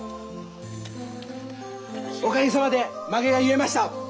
おかげさまでまげが結えました。